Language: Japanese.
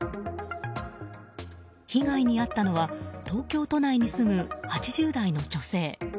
被害に遭ったのは東京都内に住む８０代の女性。